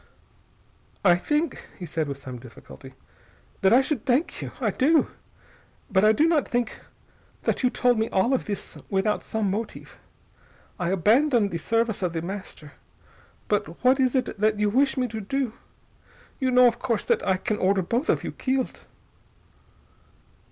"I think," he said with some difficulty, "that I should thank you. I do. But I do not think that you told me all of this without some motive. I abandon the service of The Master. But what is it that you wish me to do? You know, of course, that I can order both of you killed...."